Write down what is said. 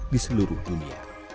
di seluruh dunia